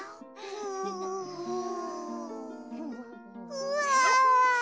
うわ！